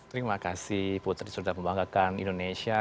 terima kasih putri sudah membanggakan indonesia